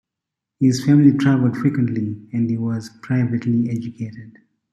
His family travelled frequently and he was privately educated.